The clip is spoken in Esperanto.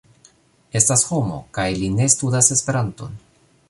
Estas homo, kaj li ne studas Esperanton.